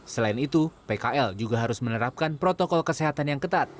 selain itu pkl juga harus menerapkan protokol kesehatan yang ketat